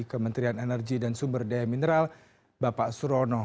kementerian energi dan sumber daya mineral bapak surono